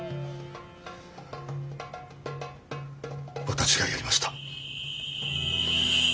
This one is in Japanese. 私がやりました。